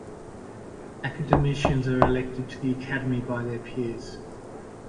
Academicians are elected to the Academy by their peers.